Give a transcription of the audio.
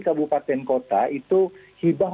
kabupaten kota itu hibah